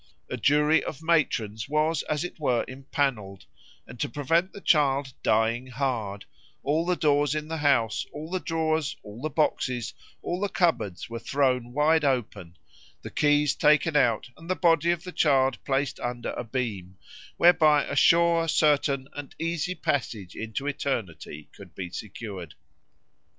"A jury of matrons was, as it were, empanelled, and to prevent the child 'dying hard' all the doors in the house, all the drawers, all the boxes, all the cupboards were thrown wide open, the keys taken out, and the body of the child placed under a beam, whereby a sure, certain, and easy passage into eternity could be secured."